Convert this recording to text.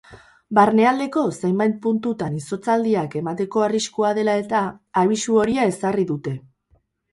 Barnealdeko zenbait puntutan izotzaldiak emateko arriskua dela eta, abisu horia ezarri dute.